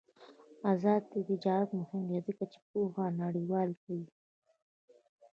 آزاد تجارت مهم دی ځکه چې پوهه نړیواله کوي.